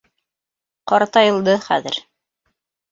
Ҡартайылды хәҙер...